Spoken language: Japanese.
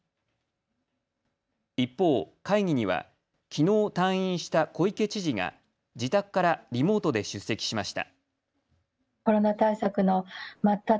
一方、会議にはきのう退院した小池知事が自宅からリモートで出席しました。